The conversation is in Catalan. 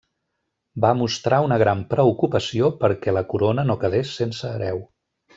Va mostrar una gran preocupació perquè la corona no quedés sense hereu.